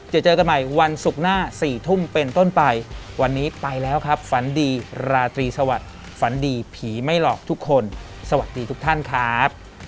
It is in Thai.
เจอเจอกันใหม่วันศุกร์หน้า๔ทุ่มเป็นต้นไปวันนี้ไปแล้วครับฝันดีราตรีสวัสดิ์ฝันดีผีไม่หลอกทุกคนสวัสดีทุกท่านครับ